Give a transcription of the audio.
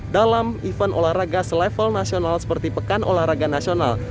dalam event olahraga selevel nasional seperti pekan olahraga nasional